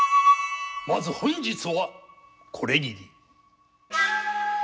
まず本日はこれぎり。